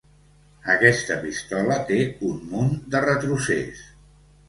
Aquesta pistola té un munt de retrocés.